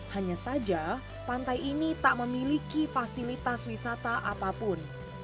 hanya saja pantai ini tak memiliki fasilitas wisata apapun